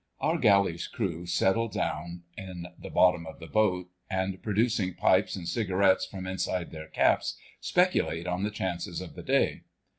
Our galley's crew settle down in the bottom of the boat, and producing pipes and cigarettes from inside their caps, speculate on the chances of the day.